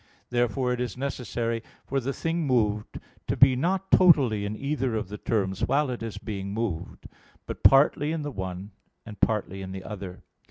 Therefore it is necessary for the thing moved to be not totally in either of the terms while it is being moved; but partly in the one, and partly in the other.